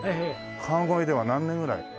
川越では何年ぐらい？